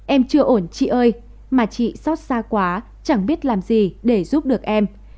em chưa ổn chị ơi mà chị xót xa quá chẳng biết làm gì để giúp được em